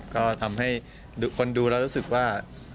ก็ทำให้คนดูแล้วรู้สึกว่า